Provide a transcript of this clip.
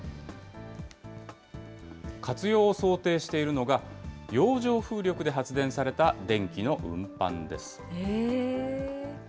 活用を想定しているのが、洋上風力で発電された電気の運搬です。